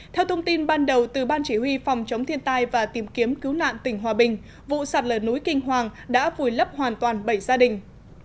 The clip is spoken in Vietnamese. theo thông tin ban đầu từ ban chỉ huy phòng chống thiên tai và tìm kiếm cứu nạn tỉnh hòa bình vụ sạt lở núi kinh hoàng đã vùi lấp hoàn toàn bảy gia đình